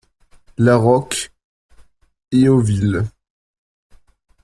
La Roque, Héauville